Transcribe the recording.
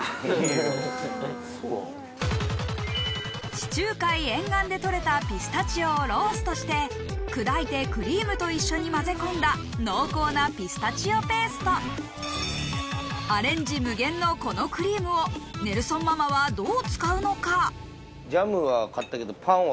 地中海沿岸で取れたピスタチオをローストして砕いてクリームと一緒に混ぜ込んだ濃厚なピスタチオペーストアレンジ無限のこのクリームをパンも。